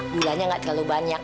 gulanya gak terlalu banyak